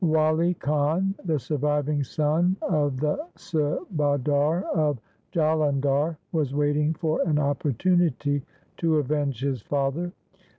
Wali Khan, the surviving son of the Subadar of Jalandhar, was waiting for an opportunity to avenge his father.